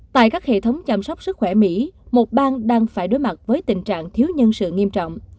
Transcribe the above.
tại các hệ thống chăm sóc sức khỏe mỹ một bang đang phải đối mặt với tình trạng thiếu nhân sự nghiêm trọng